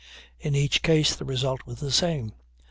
In each case the result was the same.